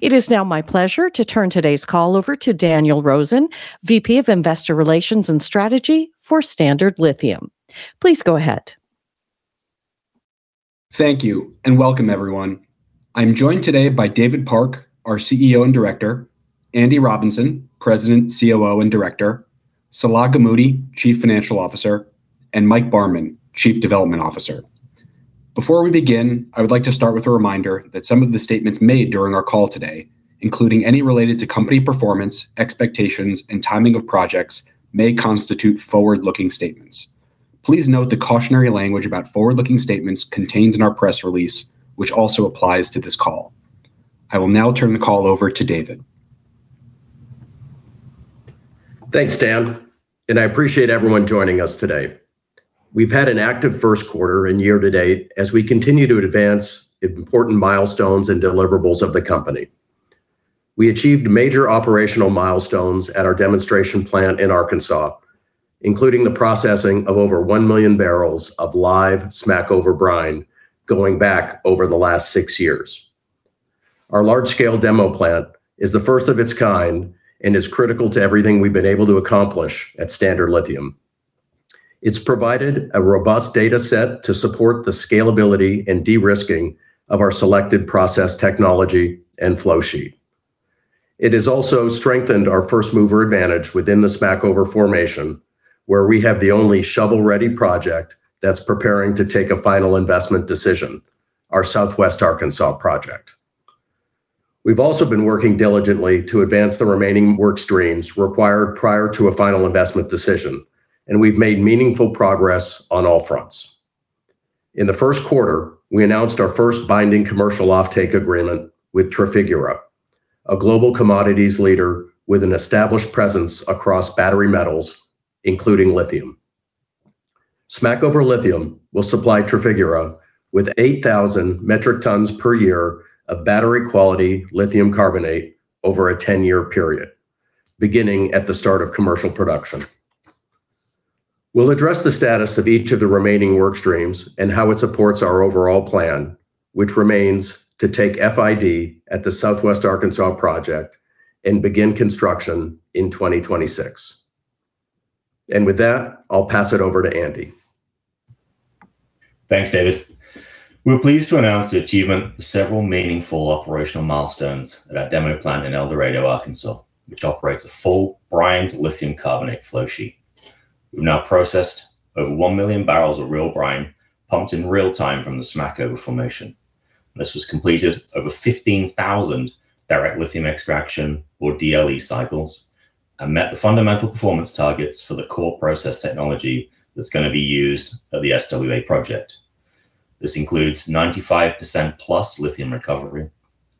It is now my pleasure to turn today's call over to Daniel Rosen, VP of Investor Relations and Strategy for Standard Lithium. Please go ahead. Thank you and welcome everyone. I'm joined today by David Park, our CEO and Director, Andy Robinson, President, COO, and Director, Salah Gamoudi, Chief Financial Officer, and Mike Barman, Chief Development Officer. Before we begin, I would like to start with a reminder that some of the statements made during our call today, including any related to company performance, expectations, and timing of projects, may constitute forward-looking statements. Please note the cautionary language about forward-looking statements contained in our press release, which also applies to this call. I will now turn the call over to David. Thanks, Dan, and I appreciate everyone joining us today. We've had an active first quarter and year to date as we continue to advance important milestones and deliverables of the company. We achieved major operational milestones at our demonstration plant in Arkansas, including the processing of over 1 million barrels of live Smackover brine going back over the last six years. Our large-scale demo plant is the first of its kind and is critical to everything we've been able to accomplish at Standard Lithium. It's provided a robust data set to support the scalability and de-risking of our selected process technology and flow sheet. It has also strengthened our first-mover advantage within the Smackover formation, where we have the only shovel-ready project that's preparing to take a final investment decision, our Southwest Arkansas project. We've also been working diligently to advance the remaining work streams required prior to a final investment decision, and we've made meaningful progress on all fronts. In the first quarter, we announced our first binding commercial offtake agreement with Trafigura, a global commodities leader with an established presence across battery metals, including lithium. Smackover Lithium will supply Trafigura with 8,000 metric tons per year of battery quality lithium carbonate over a 10-year period, beginning at the start of commercial production. We'll address the status of each of the remaining work streams and how it supports our overall plan, which remains to take FID at the Southwest Arkansas Project and begin construction in 2026. With that, I'll pass it over to Andy. Thanks, David. We're pleased to announce the achievement of several meaningful operational milestones at our demo plant in El Dorado, Arkansas, which operates a full brined lithium carbonate flow sheet. We've now processed over 1 million barrels of real brine pumped in real time from the Smackover formation. This was completed over 15,000 direct lithium extraction or DLE cycles and met the fundamental performance targets for the core process technology that's going to be used at the SWA project. This includes 95%+ lithium recovery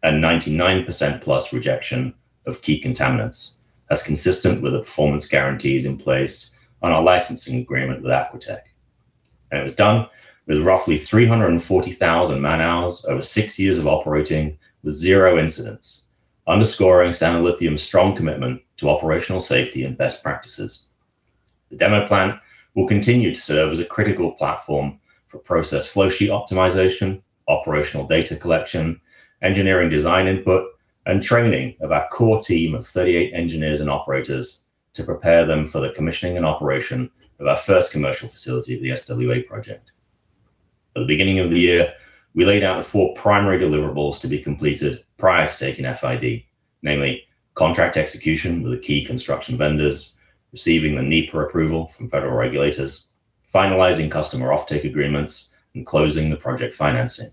and 99%+ rejection of key contaminants as consistent with the performance guarantees in place on our licensing agreement with Aquatech. It was done with roughly 340,000 man-hours over six years of operating with zero incidents, underscoring Standard Lithium's strong commitment to operational safety and best practices. The demo plant will continue to serve as a critical platform for process flow sheet optimization, operational data collection, engineering design input, and training of our core team of 38 engineers and operators to prepare them for the commissioning and operation of our first commercial facility at the SWA project. At the beginning of the year, we laid out four primary deliverables to be completed prior to taking FID, namely contract execution with the key construction vendors, receiving the NEPA approval from federal regulators, finalizing customer offtake agreements, and closing the project financing.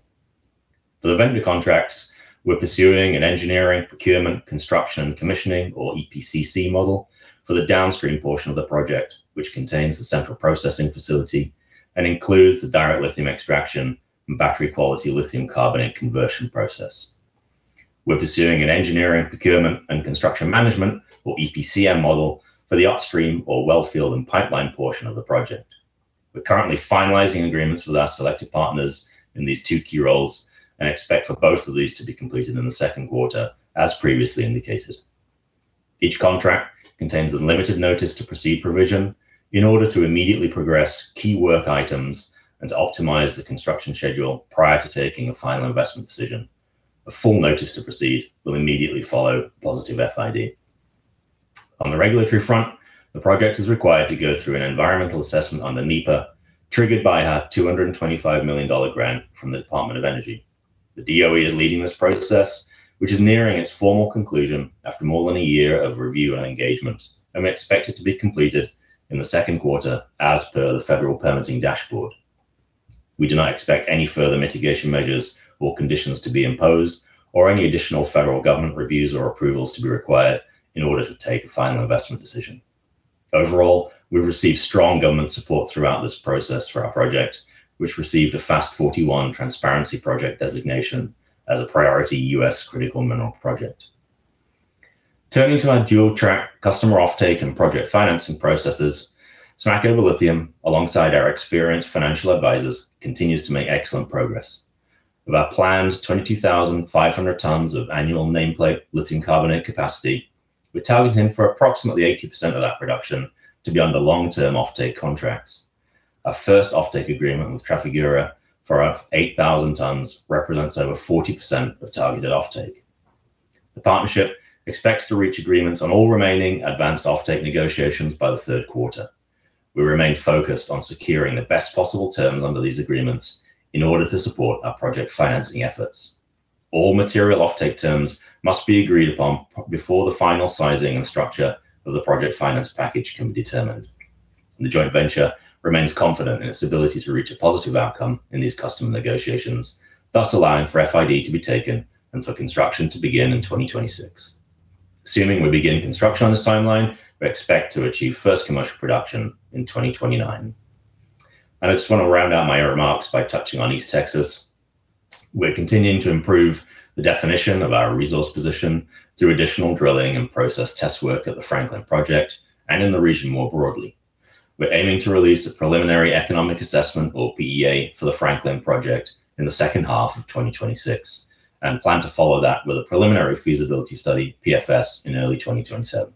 For the vendor contracts, we're pursuing an engineering, procurement, construction, commissioning or EPCC model for the downstream portion of the project, which contains the central processing facility and includes the direct lithium extraction and battery quality lithium carbonate conversion process. We are pursuing an engineering, procurement, and construction management or EPCM model for the upstream or well field and pipeline portion of the project. We are currently finalizing agreements with our selected partners in these two key roles and expect for both of these to be completed in the second quarter as previously indicated. Each contract contains a limited notice to proceed provision in order to immediately progress key work items and to optimize the construction schedule prior to taking a final investment decision. A full notice to proceed will immediately follow positive FID. On the regulatory front, the project is required to go through an environmental assessment under NEPA triggered by our $225 million grant from the Department of Energy. The DOE is leading this process, which is nearing its formal conclusion after more than a year of review and engagement, and we expect it to be completed in the second quarter as per the federal permitting dashboard. We do not expect any further mitigation measures or conditions to be imposed or any additional federal government reviews or approvals to be required in order to take a final investment decision. Overall, we've received strong government support throughout this process for our project, which received a FAST-41 transparency project designation as a priority U.S. critical mineral project. Turning to our dual track customer offtake and project financing processes, Smackover Lithium, alongside our experienced financial advisors, continues to make excellent progress. With our planned 22,500 tons of annual nameplate lithium carbonate capacity, we're targeting for approximately 80% of that production to be under long-term offtake contracts. Our first offtake agreement with Trafigura for 8,000 tons represents over 40% of targeted offtake. The partnership expects to reach agreements on all remaining advanced offtake negotiations by the third quarter. We remain focused on securing the best possible terms under these agreements in order to support our project financing efforts. All material offtake terms must be agreed upon before the final sizing and structure of the project finance package can be determined. The joint venture remains confident in its ability to reach a positive outcome in these customer negotiations, thus allowing for FID to be taken and for construction to begin in 2026. Assuming we begin construction on this timeline, we expect to achieve first commercial production in 2029. I just want to round out my remarks by touching on East Texas. We're continuing to improve the definition of our resource position through additional drilling and process test work at the Franklin Project and in the region more broadly. We're aiming to release a preliminary economic assessment or PEA for the Franklin Project in the second half of 2026 and plan to follow that with a preliminary feasibility study, PFS, in early 2027.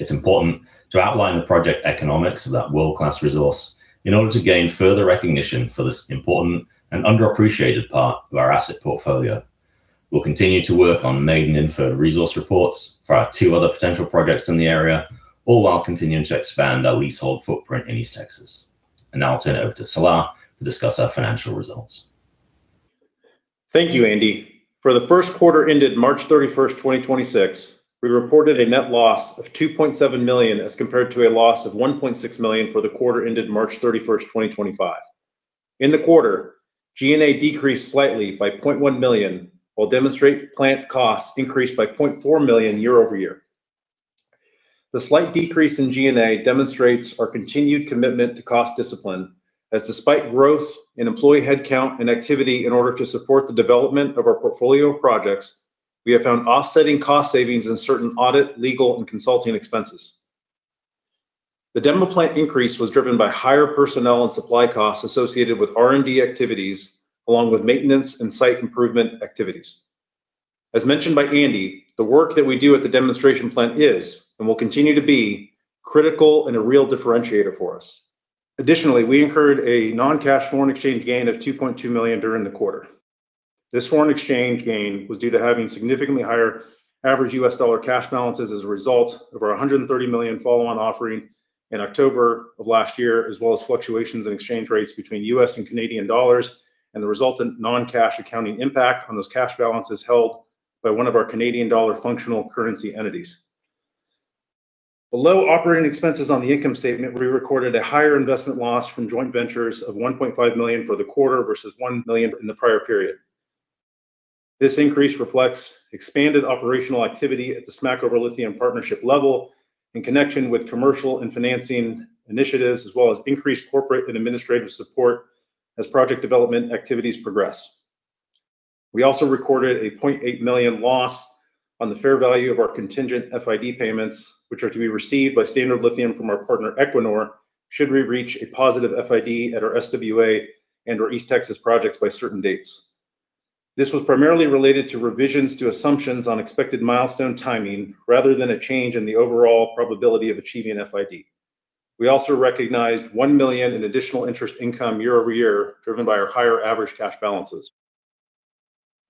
It's important to outline the project economics of that world-class resource in order to gain further recognition for this important and underappreciated part of our asset portfolio. We'll continue to work on maiden inferred resource reports for our two other potential projects in the area, all while continuing to expand our leasehold footprint in East Texas. Now I'll turn it over to Salah to discuss our financial results. Thank you, Andy. For the first quarter ended March 31, 2026, we reported a net loss of $2.7 million as compared to a loss of $1.6 million for the quarter ended March 31, 2025. In the quarter, G&A decreased slightly by $0.1 million, while demonstration plant costs increased by $0.4 million year-over-year. The slight decrease in G&A demonstrates our continued commitment to cost discipline, as despite growth in employee headcount and activity in order to support the development of our portfolio of projects, we have found offsetting cost savings in certain audit, legal, and consulting expenses. The demo plant increase was driven by higher personnel and supply costs associated with R&D activities along with maintenance and site improvement activities. As mentioned by Andy, the work that we do at the demonstration plant is and will continue to be critical and a real differentiator for us. Additionally, we incurred a non-cash foreign exchange gain of $2.2 million during the quarter. This foreign exchange gain was due to having significantly higher average U.S. dollar cash balances as a result of our $130 million follow-on offering in October of last year, as well as fluctuations in exchange rates between U.S. and Canadian dollars and the resultant non-cash accounting impact on those cash balances held by one of our Canadian dollar functional currency entities. Below operating expenses on the income statement, we recorded a higher investment loss from joint ventures of $1.5 million for the quarter versus $1 million in the prior period. This increase reflects expanded operational activity at the Smackover Lithium partnership level in connection with commercial and financing initiatives, as well as increased corporate and administrative support as project development activities progress. We also recorded a $0.8 million loss on the fair value of our contingent FID payments, which are to be received by Standard Lithium from our partner, Equinor, should we reach a positive FID at our SWA and/or East Texas projects by certain dates. This was primarily related to revisions to assumptions on expected milestone timing rather than a change in the overall probability of achieving FID. We also recognized $1 million in additional interest income year-over-year, driven by our higher average cash balances.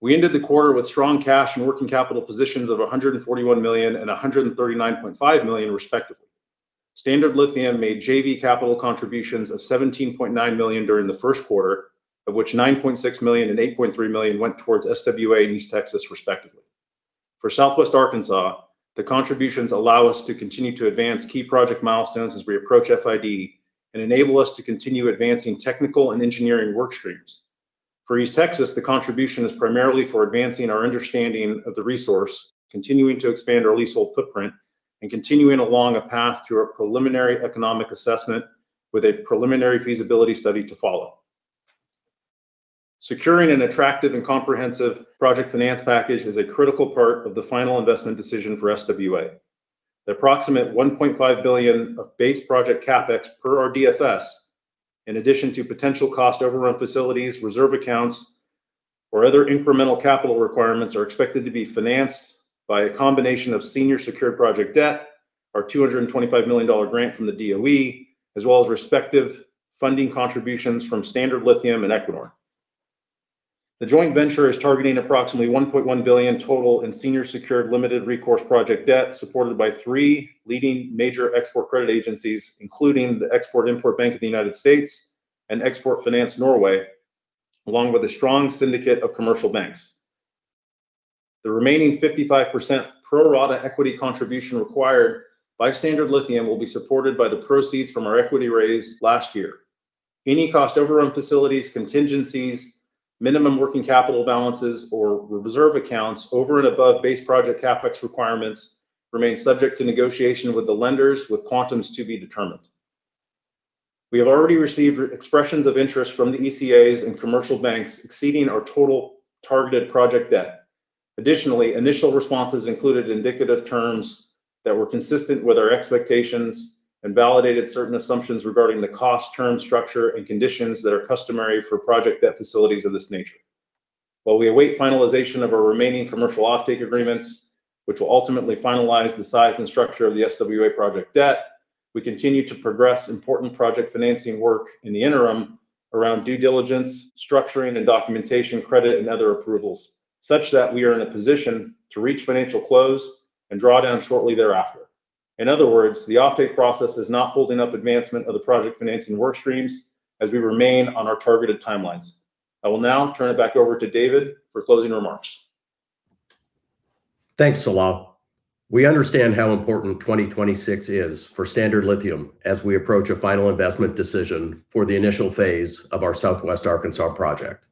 We ended the quarter with strong cash and working capital positions of $141 million and $139.5 million, respectively. Standard Lithium made JV capital contributions of $17.9 million during the first quarter, of which $9.6 million and $8.3 million went towards SWA and East Texas, respectively. For Southwest Arkansas, the contributions allow us to continue to advance key project milestones as we approach FID and enable us to continue advancing technical and engineering work streams. For East Texas, the contribution is primarily for advancing our understanding of the resource, continuing to expand our leasehold footprint, and continuing along a path to a preliminary economic assessment with a preliminary feasibility study to follow. Securing an attractive and comprehensive project finance package is a critical part of the Final Investment Decision for SWA. The approximate $1.5 billion of base project CapEx per our DFS, in addition to potential cost overrun facilities, reserve accounts, or other incremental capital requirements, are expected to be financed by a combination of senior secured project debt, our $225 million grant from the DOE, as well as respective funding contributions from Standard Lithium and Equinor. The joint venture is targeting approximately $1.1 billion total in senior secured limited recourse project debt supported by three leading major Export Credit Agencies, including the Export-Import Bank of the United States and Export Finance Norway, along with a strong syndicate of commercial banks. The remaining 55% pro rata equity contribution required by Standard Lithium will be supported by the proceeds from our equity raise last year. Any cost overrun facilities, contingencies, minimum working capital balances, or reserve accounts over and above base project CapEx requirements remain subject to negotiation with the lenders with quantums to be determined. We have already received expressions of interest from the ECAs and commercial banks exceeding our total targeted project debt. Additionally, initial responses included indicative terms that were consistent with our expectations and validated certain assumptions regarding the cost, term, structure, and conditions that are customary for project debt facilities of this nature. While we await finalization of our remaining commercial offtake agreements, which will ultimately finalize the size and structure of the SWA project debt, we continue to progress important project financing work in the interim around due diligence, structuring and documentation, credit and other approvals, such that we are in a position to reach financial close and draw down shortly thereafter. In other words, the offtake process is not holding up advancement of the project financing work streams as we remain on our targeted timelines. I will now turn it back over to David for closing remarks. Thanks, Salah. We understand how important 2026 is for Standard Lithium as we approach a final investment decision for the initial phase of our Southwest Arkansas Project.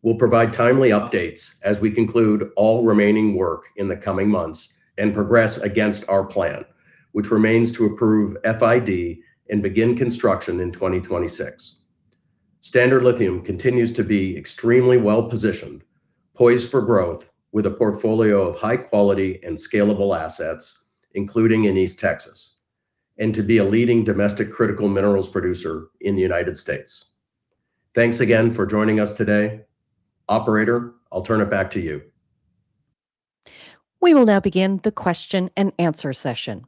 We'll provide timely updates as we conclude all remaining work in the coming months and progress against our plan, which remains to approve FID and begin construction in 2026. Standard Lithium continues to be extremely well-positioned, poised for growth with a portfolio of high quality and scalable assets, including in East Texas, and to be a leading domestic critical minerals producer in the United States. Thanks again for joining us today. Operator, I'll turn it back to you. We will now begin the question-and-answer session.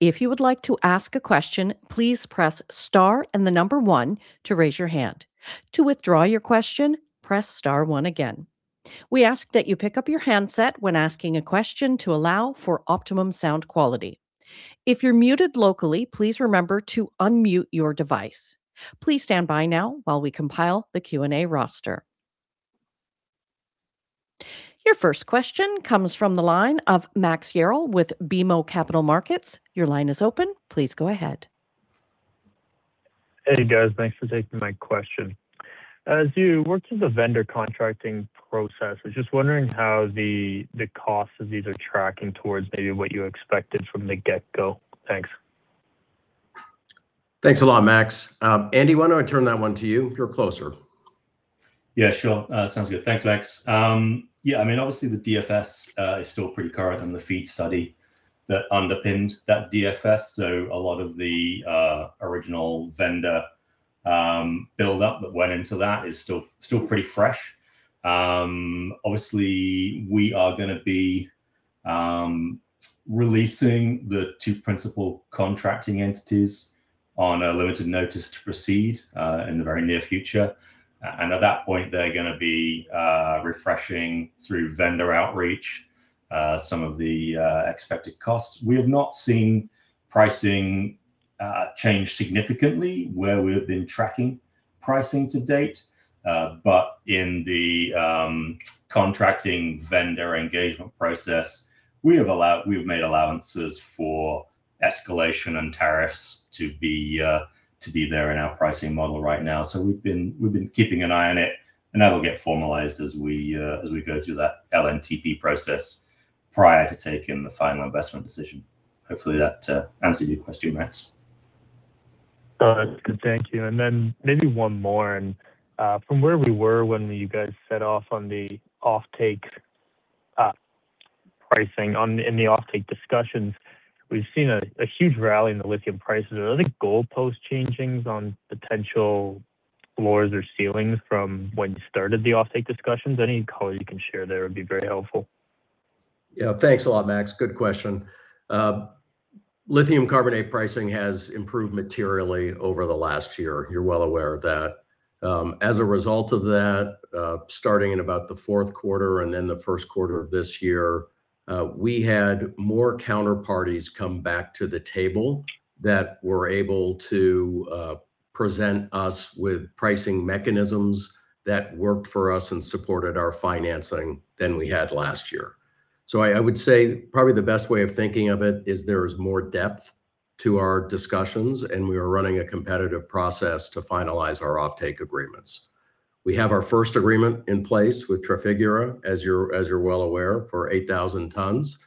If you would like to ask a question, please press star and the number one to raise your hand. To withdraw your question, press star one again. We ask that you pick up your handset when asking a question to allow for optimum sound quality. If you're muted locally, please remember to unmute your device. Please stand by now while we compile the Q&A roster. Your first question comes from the line of Max Yerrill with BMO Capital Markets. Your line is open. Please go ahead. Hey, guys. Thanks for taking my question. As you worked through the vendor contracting process, I was just wondering how the cost of these are tracking towards maybe what you expected from the get-go. Thanks. Thanks a lot, Max. Andy, why don't I turn that one to you? You're closer. Yeah, sure. Sounds good. Thanks, Max. Yeah, I mean, obviously the DFS is still pretty current and the FEED study that underpinned that DFS. A lot of the original vendor build up that went into that is still pretty fresh. Obviously we are gonna be releasing the two principal contracting entities on a limited notice to proceed in the very near future. At that point, they're gonna be refreshing through vendor outreach some of the expected costs. We have not seen pricing change significantly where we have been tracking pricing to date. In the contracting vendor engagement process, we have made allowances for escalation and tariffs to be there in our pricing model right now. We've been keeping an eye on it, and that'll get formalized as we as we go through that LNTP process prior to taking the final investment decision. Hopefully that answers your question, Max. That's good, thank you. Then maybe one more. From where we were when you guys set off on the offtake pricing on in the offtake discussions, we've seen a huge rally in the lithium prices. Are there any goalpost changings on potential floors or ceilings from when you started the offtake discussions? Any color you can share there would be very helpful. Yeah. Thanks a lot, Max. Good question. Lithium carbonate pricing has improved materially over the last year. You're well aware of that. As a result of that, starting in about the fourth quarter and then the first quarter of this year, we had more counterparties come back to the table that were able to present us with pricing mechanisms that worked for us and supported our financing than we had last year. I would say probably the best way of thinking of it is there's more depth to our discussions, and we are running a competitive process to finalize our offtake agreements. We have our first agreement in place with Trafigura, as you're well aware, for 8,000 tons.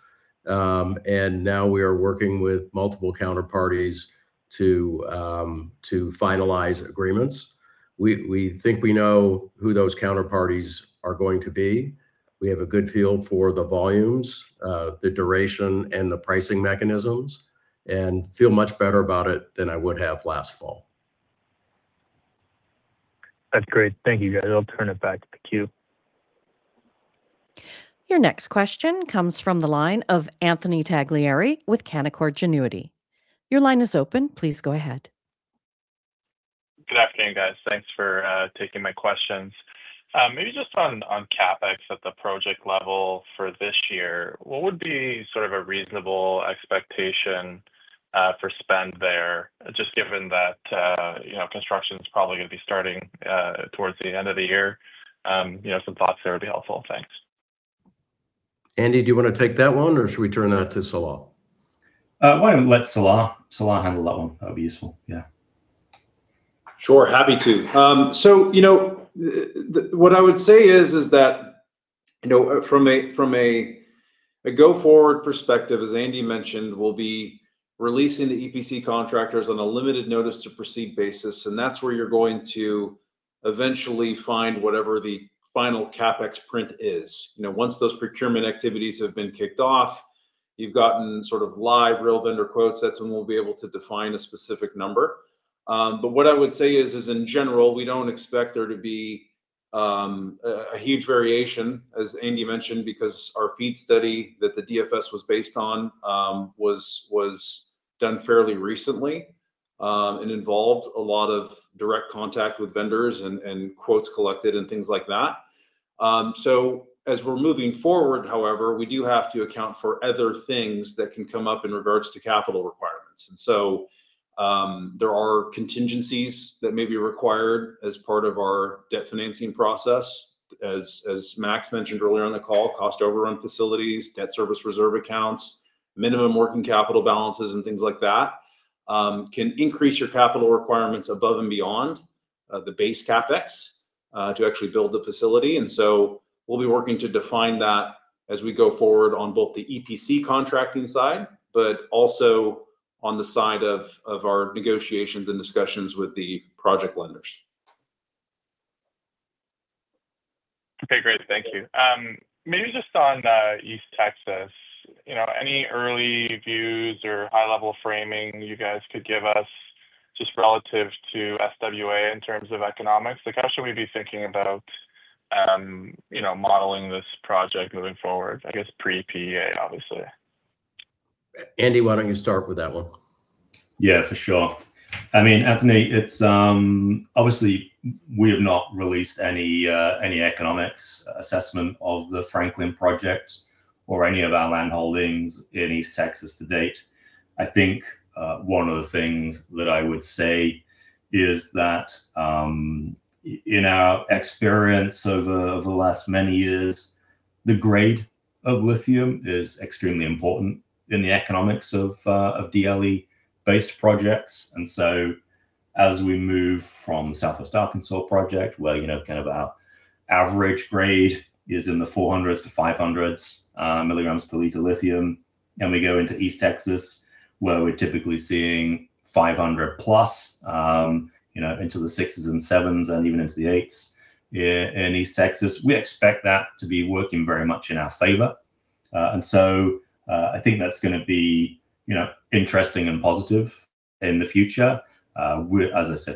Now we are working with multiple counterparties to finalize agreements. We think we know who those counterparties are going to be. We have a good feel for the volumes, the duration, and the pricing mechanisms, and feel much better about it than I would have last fall. That's great. Thank you, guys. I'll turn it back to the queue. Your next question comes from the line of Anthony Taglieri with Canaccord Genuity. Your line is open. Please go ahead. Good afternoon, guys. Thanks for taking my questions. Maybe just on CapEx at the project level for this year, what would be sort of a reasonable expectation for spend there, just given that, you know, construction's probably gonna be starting towards the end of the year? You know, some thoughts there would be helpful. Thanks. Andy, do you want to take that one, or should we turn that to Salah? Why don't we let Salah handle that one? That would be useful, yeah. Sure, happy to. You know, what I would say is that. You know, from a go-forward perspective, as Andy mentioned, we'll be releasing the EPC contractors on a limited notice to proceed basis, and that's where you're going to eventually find whatever the final CapEx print is. You know, once those procurement activities have been kicked off, you've gotten sort of live real vendor quotes, that's when we'll be able to define a specific number. What I would say is in general, we don't expect there to be a huge variation, as Andy mentioned, because our FEED study that the DFS was based on, was done fairly recently, and involved a lot of direct contact with vendors and quotes collected and things like that. As we're moving forward, however, we do have to account for other things that can come up in regards to capital requirements. There are contingencies that may be required as part of our debt financing process as Max mentioned earlier on the call, cost overrun facilities, debt service reserve accounts, minimum working capital balances and things like that, can increase your capital requirements above and beyond the base CapEx to actually build the facility. We'll be working to define that as we go forward on both the EPC contracting side, but also on the side of our negotiations and discussions with the project lenders. Okay, great. Thank you. Maybe just on East Texas, you know, any early views or high-level framing you guys could give us just relative to SWA in terms of economics? Like, how should we be thinking about, you know, modeling this project moving forward, I guess pre-PEA, obviously? Andy, why don't you start with that one? Yeah, for sure. I mean, Anthony, it's. Obviously we have not released any economics assessment of the Franklin project or any of our land holdings in East Texas to date. I think one of the things that I would say is that in our experience over the last many years, the grade of lithium is extremely important in the economics of DLE-based projects. As we move from Southwest Arkansas project where, you know, kind of our average grade is in the 400s to 500s milligrams per liter lithium, we go into East Texas where we're typically seeing 500 plus, you know, into the 6s and 7s and even into the 8s. In East Texas, we expect that to be working very much in our favor. I think that's gonna be, you know, interesting and positive in the future. We're just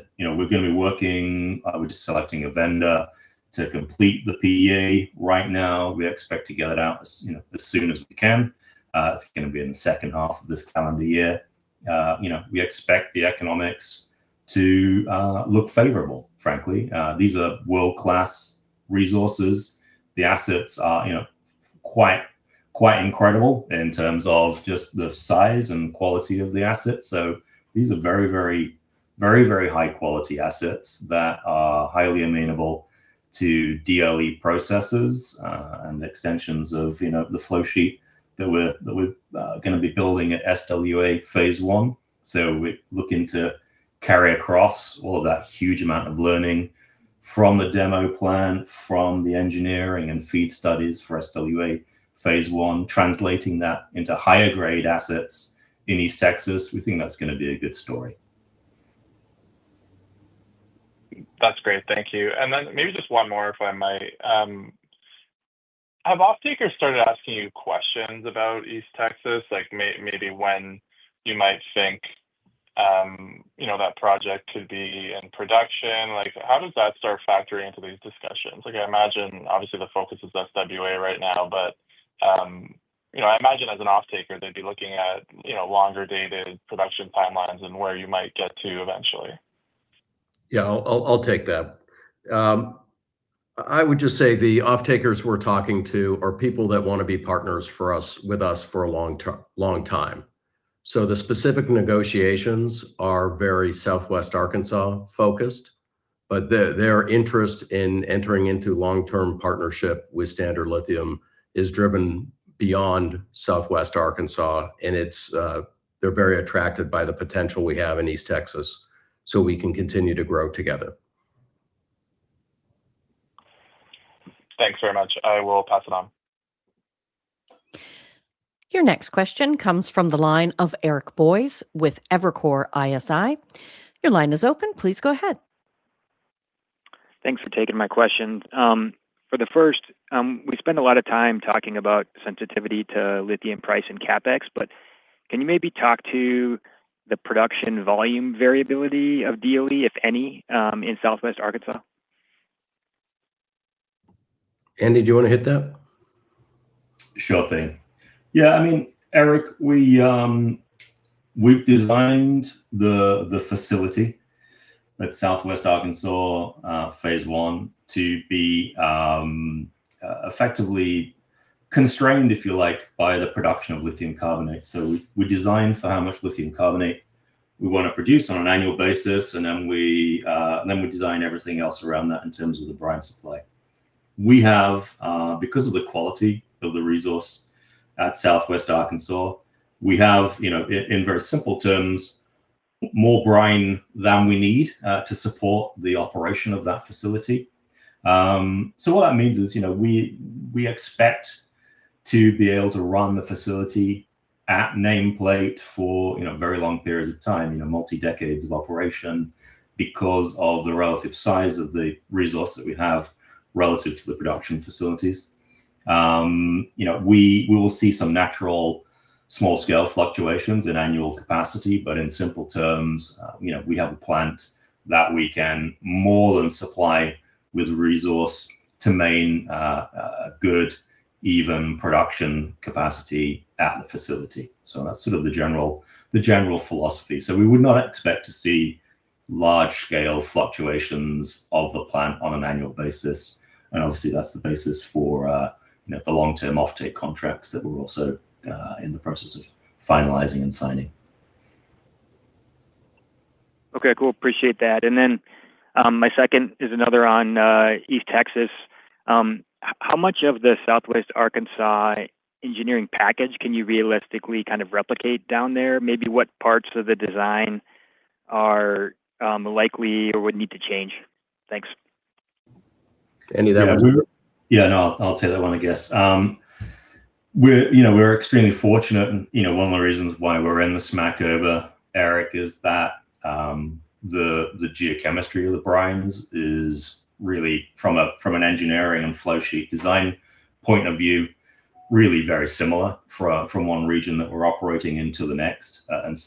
selecting a vendor to complete the PEA right now. We expect to get it out as, you know, as soon as we can. It's gonna be in the second half of this calendar year. You know, we expect the economics to look favorable, frankly. These are world-class resources. The assets are, you know, quite incredible in terms of just the size and quality of the assets. These are very high quality assets that are highly amenable to DLE processes, and extensions of, you know, the flow sheet that we're gonna be building at SWA phase I. We're looking to carry across all of that huge amount of learning from the demo plan, from the engineering and FEED studies for SWA phase I, translating that into higher grade assets in East Texas. We think that's gonna be a good story. That's great. Thank you. Then maybe just one more, if I might. Have off-takers started asking you questions about East Texas, like maybe when you might think, you know, that project could be in production? How does that start factoring into these discussions? I imagine obviously the focus is SWA right now, but, you know, I imagine as an off-taker, they'd be looking at, you know, longer dated production timelines and where you might get to eventually. Yeah. I'll take that. I would just say the off-takers we're talking to are people that want to be partners for us, with us for a long time. The specific negotiations are very Southwest Arkansas focused, but their interest in entering into long-term partnership with Standard Lithium is driven beyond Southwest Arkansas. They're very attracted by the potential we have in East Texas so we can continue to grow together. Thanks very much. I will pass it on. Your next question comes from the line of Eric Boyes with Evercore ISI. Your line is open. Please go ahead. Thanks for taking my question. For the first, we spend a lot of time talking about sensitivity to lithium price and CapEx, but can you maybe talk to the production volume variability of DLE, if any, in Southwest Arkansas? Andy, do you wanna hit that? Sure thing. I mean, Eric, we've designed the facility at Southwest Arkansas, phase 1 to be effectively constrained, if you like, by the production of lithium carbonate. We design for how much lithium carbonate we wanna produce on an annual basis, then we design everything else around that in terms of the brine supply. We have because of the quality of the resource at Southwest Arkansas, we have, you know, in very simple terms, more brine than we need to support the operation of that facility. What that means is, you know, we expect to be able to run the facility at nameplate for, you know, very long periods of time, you know, multi decades of operation because of the relative size of the resource that we have relative to the production facilities. You know, we will see some natural small scale fluctuations in annual capacity, but in simple terms, you know, we have a plant that we can more than supply with resource to main good even production capacity at the facility. That's sort of the general philosophy. We would not expect to see large scale fluctuations of the plant on an annual basis. Obviously that's the basis for, you know, the long term offtake contracts that we're also in the process of finalizing and signing. Okay, cool. Appreciate that. My second is another on East Texas. How much of the Southwest Arkansas engineering package can you realistically kind of replicate down there? Maybe what parts of the design are likely or would need to change? Thanks. Andy, that one's for you. Yeah, no, I'll take that one, I guess. We're, you know, we're extremely fortunate and, you know, one of the reasons why we're in the Smackover, Eric, is that the geochemistry of the brines is really from an engineering and flow sheet design point of view, really very similar from one region that we're operating into the next. In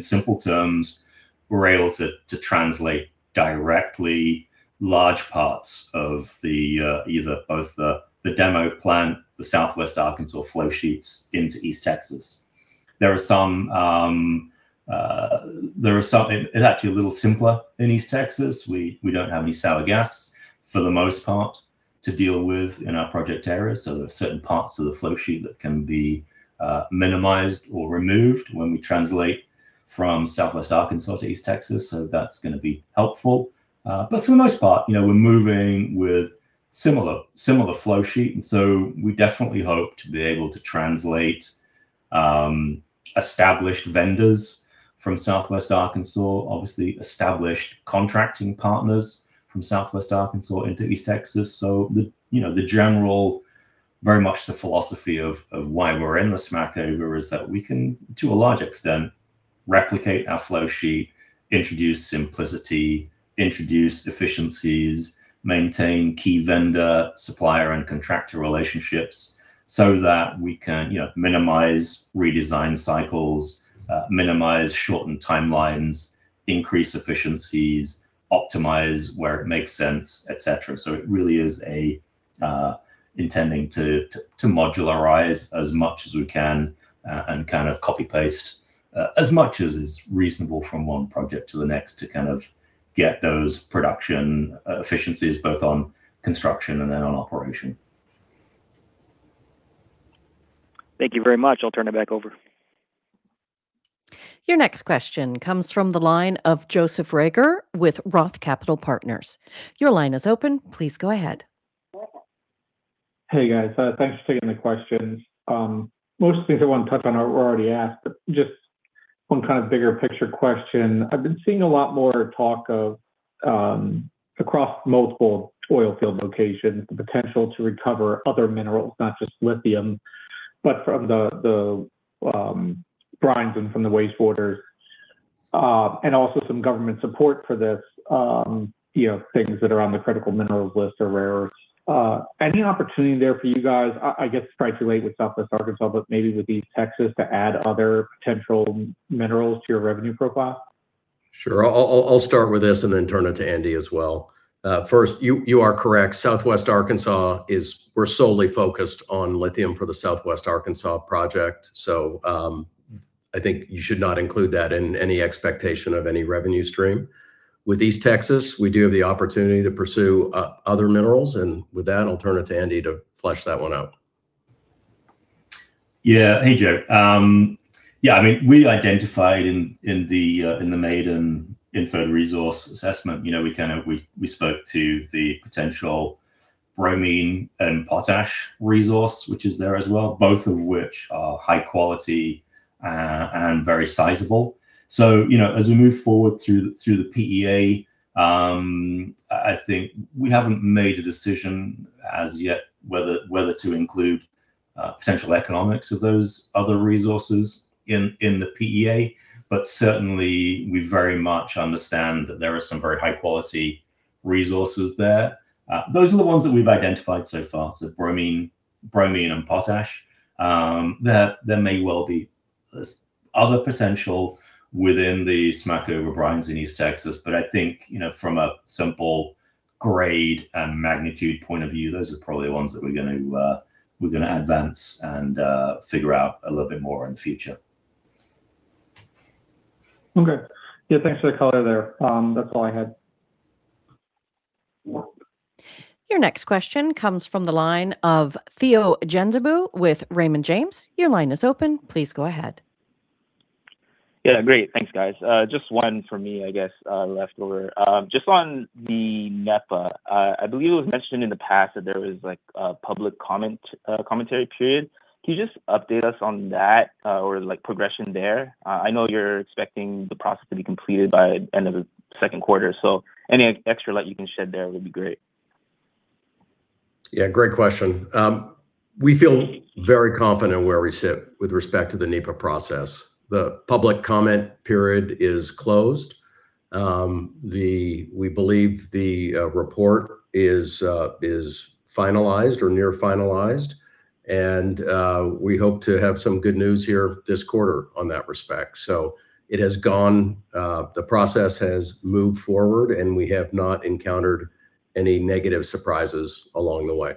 simple terms, we're able to translate directly large parts of the either both the demo plant, the Southwest Arkansas flow sheets into East Texas. It's actually a little simpler in East Texas. We don't have any sour gas for the most part to deal with in our project areas. There are certain parts of the flow sheet that can be minimized or removed when we translate from Southwest Arkansas to East Texas. That's gonna be helpful. For the most part, you know, we're moving with similar flow sheet. We definitely hope to be able to translate established vendors from Southwest Arkansas, obviously established contracting partners from Southwest Arkansas into East Texas. The, you know, the general very much the philosophy of why we're in the Smackover is that we can, to a large extent, replicate our flow sheet, introduce simplicity, introduce efficiencies, maintain key vendor, supplier, and contractor relationships so that we can, you know, minimize redesign cycles, minimize shortened timelines, increase efficiencies, optimize where it makes sense, et cetera. It really is a intending to modularize as much as we can, and kind of copy paste as much as is reasonable from one project to the next to kind of get those production efficiencies both on construction and then on operation. Thank you very much. I'll turn it back over. Your next question comes from the line of Joseph Reagor with Roth Capital Partners. Your line is open. Please go ahead. Hey, guys. Thanks for taking the questions. Most of the things I want to touch on were already asked, but just one kind of bigger picture question. I've been seeing a lot more talk of across multiple oil field locations, the potential to recover other minerals, not just lithium, but from the brines and from the waste waters, and also some government support for this, you know, things that are on the critical minerals list are rarer. Any opportunity there for you guys, I guess probably too late with Southwest Arkansas, but maybe with East Texas to add other potential minerals to your revenue profile? Sure. I'll start with this and then turn it to Andy as well. First, you are correct. Southwest Arkansas, we're solely focused on lithium for the Southwest Arkansas project. I think you should not include that in any expectation of any revenue stream. With East Texas, we do have the opportunity to pursue other minerals, and with that, I'll turn it to Andy to flesh that one out. Hey, Joe. I mean, we identified in the maiden inferred resource assessment, you know, we kind of spoke to the potential bromine and potash resource, which is there as well, both of which are high quality and very sizable. You know, as we move forward through the PEA, I think we haven't made a decision as yet whether to include potential economics of those other resources in the PEA. Certainly we very much understand that there are some very high quality resources there. Those are the ones that we've identified so far. Bromine and potash. There may well be this other potential within the Smackover brines in East Texas. I think, you know, from a simple grade and magnitude point of view, those are probably the ones that we're gonna, we're gonna advance and figure out a little bit more in the future. Okay. Thanks for the color there. That's all I had. Your next question comes from the line of Theo Genzebu with Raymond James. Your line is open. Please go ahead. Yeah, great. Thanks, guys. Just one for me, I guess, left over. Just on the NEPA, I believe it was mentioned in the past that there was like a public comment, commentary period. Can you just update us on that, or like progression there? I know you're expecting the process to be completed by end of the second quarter. Any extra light you can shed there would be great. Yeah, great question. We feel very confident where we sit with respect to the NEPA process. The public comment period is closed. We believe the report is finalized or near finalized, and we hope to have some good news here this quarter on that respect. It has gone, the process has moved forward, and we have not encountered any negative surprises along the way.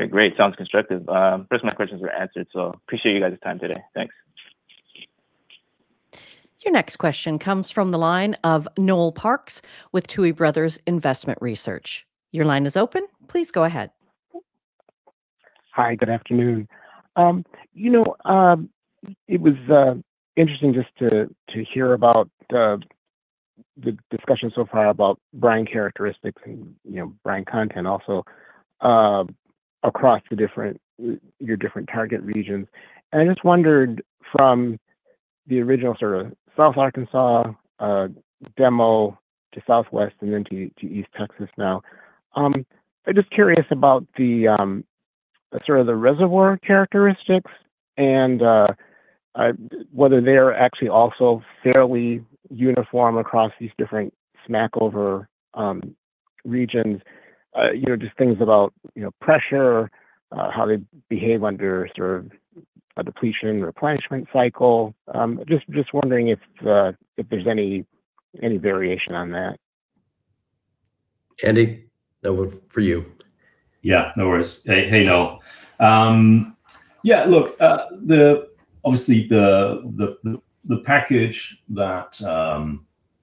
Okay. Great. Sounds constructive. Those of my questions were answered, appreciate you guys' time today. Thanks. Your next question comes from the line of Noel Parks with Tuohy Brothers Investment Research. Your line is open. Please go ahead. Hi. Good afternoon. It was interesting just to hear about the discussion so far about brine characteristics and brine content also across the different, your different target regions. I just wondered from the original sort of South Arkansas demo to Southwest and then to East Texas now, I'm just curious about the sort of the reservoir characteristics and whether they're actually also fairly uniform across these different Smackover regions. Just things about pressure, how they behave under sort of a depletion replenishment cycle. Just wondering if there's any variation on that. Andy, that one's for you. Yeah, no worries. Hey, Noel. Yeah, look, obviously the package that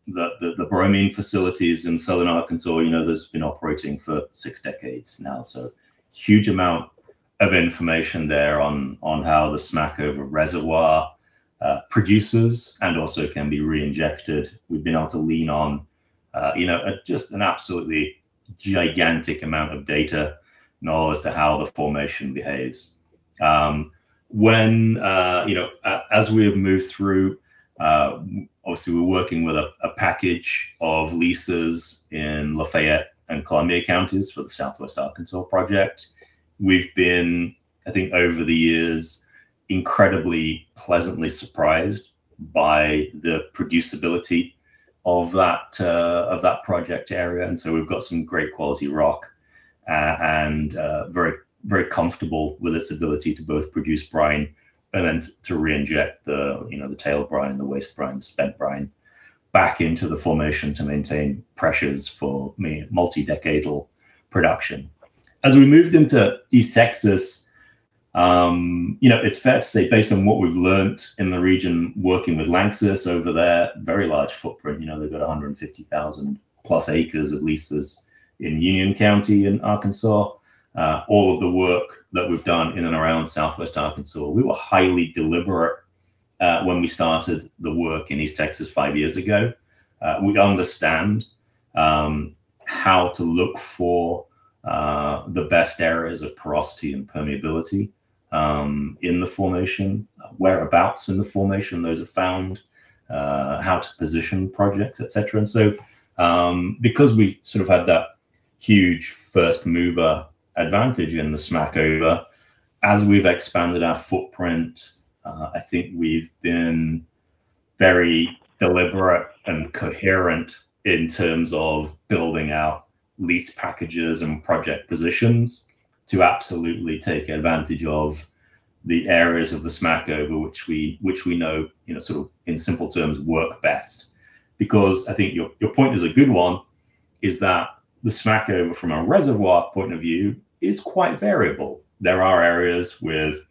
the bromine facilities in southern Arkansas, you know, that's been operating for six decades now, so huge amount of information there on how the Smackover reservoir produces and also can be reinjected. We've been able to lean on, you know, a just an absolutely gigantic amount of data, Noel, as to how the formation behaves. When, you know, as we have moved through, obviously we're working with a package of leases in Lafayette and Columbia counties for the Southwest Arkansas project. We've been, I think over the years, incredibly pleasantly surprised by the producibility of that project area. We've got some great quality rock, and very, very comfortable with its ability to both produce brine and then to reinject the, you know, the tail brine, the waste brine, spent brine back into the formation to maintain pressures for multi-decadal production. As we moved into East Texas, you know, it's fair to say based on what we've learned in the region working with LANXESS over there, very large footprint, you know, they've got 150,000 plus acres of leases in Union County in Arkansas, all of the work that we've done in and around Southwest Arkansas, we were highly deliberate when we started the work in East Texas five years ago. We understand how to look for the best areas of porosity and permeability in the formation, whereabouts in the formation those are found, how to position projects, et cetera. Because we sort of had that huge first mover advantage in the Smackover, as we've expanded our footprint, I think we've been very deliberate and coherent in terms of building out lease packages and project positions to absolutely take advantage of the areas of the Smackover, which we know, you know, sort of in simple terms work best. Because I think your point is a good one, is that the Smackover from a reservoir point of view is quite variable. There are areas with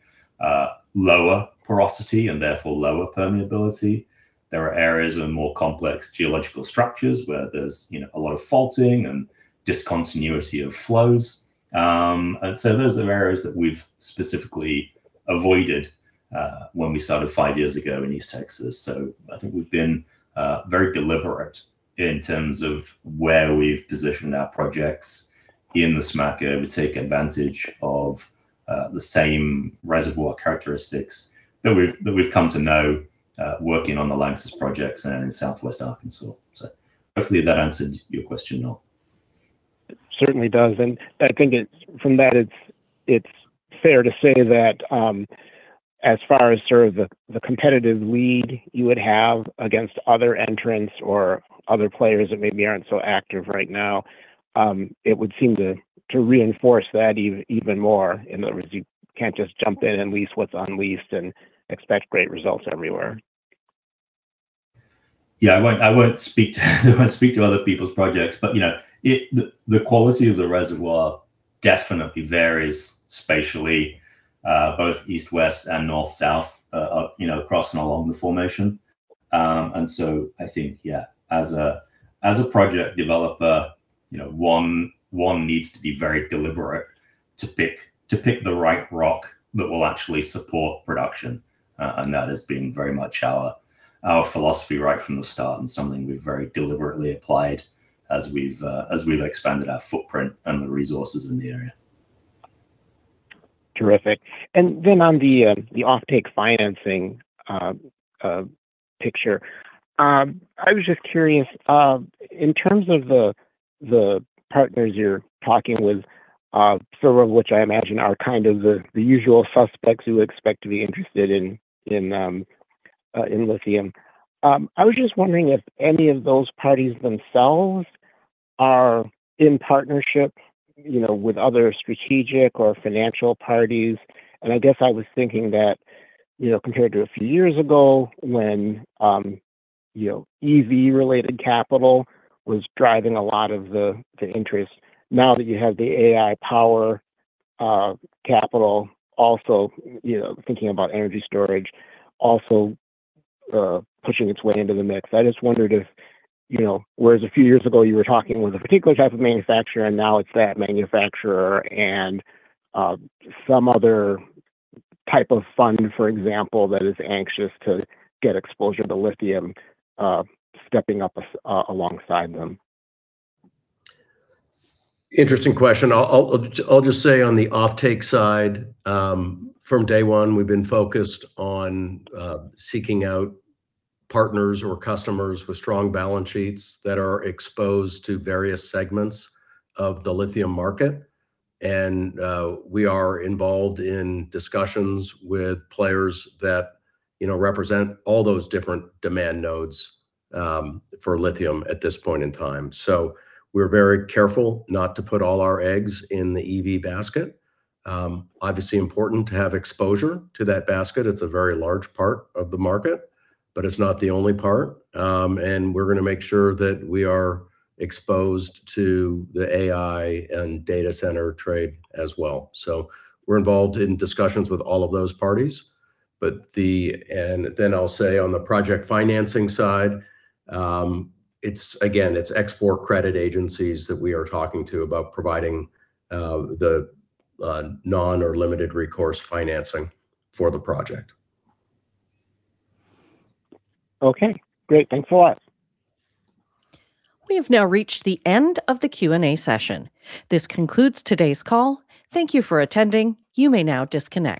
lower porosity and therefore lower permeability. There are areas with more complex geological structures where there's, you know, a lot of faulting and discontinuity of flows. Those are the areas that we've specifically avoided when we started five years ago in East Texas. I think we've been very deliberate in terms of where we've positioned our projects in the Smackover to take advantage of the same reservoir characteristics that we've, that we've come to know working on the LANXESS projects and in Southwest Arkansas. Hopefully that answered your question, Noel. It certainly does, and I think it, from that it's fair to say that, as far as sort of the competitive lead you would have against other entrants or other players that maybe aren't so active right now, it would seem to reinforce that even more. In other words, you can't just jump in and lease what's unleased and expect great results everywhere. Yeah. I won't speak to other people's projects, but you know, the quality of the reservoir definitely varies spatially, both East, West, and North, South, you know, across and along the formation. I think, yeah, as a project developer, you know, one needs to be very deliberate to pick the right rock that will actually support production. That has been very much our philosophy right from the start, and something we've very deliberately applied as we've expanded our footprint and the resources in the area. Terrific. Then on the the offtake financing picture, I was just curious in terms of the partners you're talking with, several of which I imagine are kind of the usual suspects who expect to be interested in in lithium. I was just wondering if any of those parties themselves are in partnership, you know, with other strategic or financial parties. I guess I was thinking that, you know, compared to a few years ago when, you know, EV related capital was driving a lot of the interest. Now that you have the AI power capital also, you know, thinking about energy storage also, pushing its way into the mix. I just wondered if, you know, whereas a few years ago you were talking with a particular type of manufacturer and now it's that manufacturer and some other type of fund, for example, that is anxious to get exposure to lithium, stepping up alongside them. Interesting question. I'll just say on the offtake side, from day one we've been focused on seeking out partners or customers with strong balance sheets that are exposed to various segments of the lithium market. We are involved in discussions with players that, you know, represent all those different demand nodes for lithium at this point in time. We're very careful not to put all our eggs in the EV basket. Obviously important to have exposure to that basket. It's a very large part of the market, but it's not the only part. We're gonna make sure that we are exposed to the AI and data center trade as well. We're involved in discussions with all of those parties. I'll say on the project financing side, it's again, it's Export Credit Agencies that we are talking to about providing the non or limited recourse financing for the project. Okay, great. Thanks a lot. We have now reached the end of the Q&A session. This concludes today's call. Thank you for attending. You may now disconnect.